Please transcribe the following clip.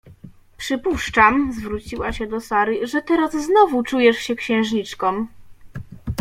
Przypuszczam — zwróciła się do Sary — że teraz znowu czujesz się księżniczką.